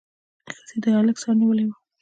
ښځې د هلک سر نیولی و.